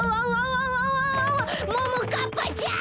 ももかっぱちゃん！